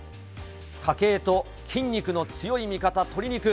家計と筋肉の強い味方、鶏肉。